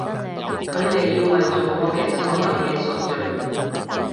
佢哋要為做過嘅所有嘢贖罪！